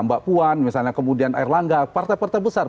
mbak puan kemudian air langga partai partai besar